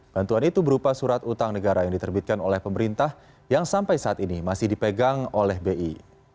bantuan itu berupa surat utang negara yang diterbitkan oleh pemerintah yang sampai saat ini masih dipegang oleh bi